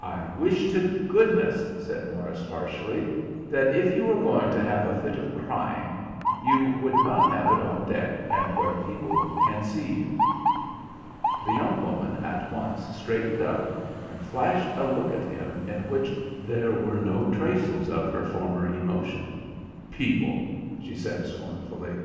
"I wish to goodness," said Morris, harshly, "that if you are going to have a fit of crying you would not have it on deck, and where people can see you." The young woman at once straightened up and flashed a look at him in which there were no traces of her former emotion. "People!" she said, scornfully.